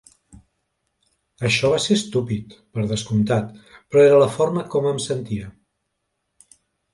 Això va ser estúpid, per descomptat, però era la forma com em sentia.